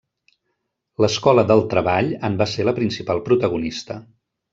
L'Escola del Treball en va ser la principal protagonista.